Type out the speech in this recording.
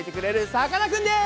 さかなクンです！